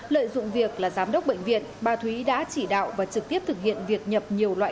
lợi dụng việc là giám đốc bệnh viện bà thúy đã chỉ đạo và trực tiếp thực hiện việc nhập nhiều loại